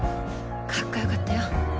かっこよかったよ。